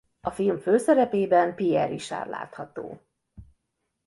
A film főszerepében Pierre Richard látható.